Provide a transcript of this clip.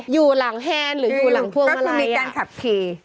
อยู่หลังแฮนด์หรือหลังพวกอะไรอ่ะ